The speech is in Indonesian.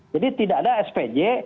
jadi tidak ada spj